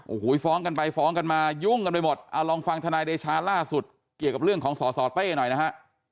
โอ้โหฟ้องกันไปฟ้องกันมายุ่งกันไปหมดเอาลองฟังธนายเดชาล่าสุดเกี่ยวกับเรื่องของสสเต้หน่อยนะฮะ